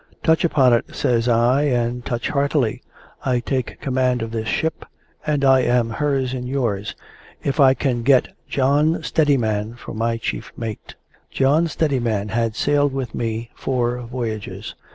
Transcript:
"Touch upon it," says I, "and touch heartily. I take command of this ship, and I am hers and yours, if I can get John Steadiman for my chief mate." John Steadiman had sailed with me four voyages.